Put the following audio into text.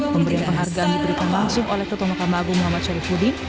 pemberian penghargaan diberikan langsung oleh ketua mahkamah agung muhammad syarifuddin